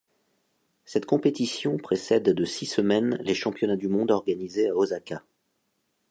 Cette compétition précède de six semaines les championnats du monde organisés à Osaka.